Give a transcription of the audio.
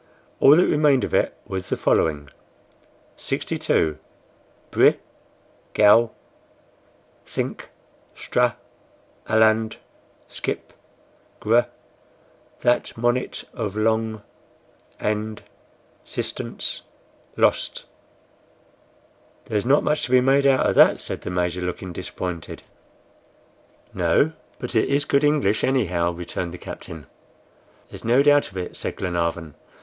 All that remained of it was the following: 62 Bri gow sink stra aland skipp Gr that monit of long and ssistance lost "There's not much to be made out of that," said the Major, looking disappointed. "No, but it is good English anyhow," returned the captain. "There's no doubt of it," said Glenarvan.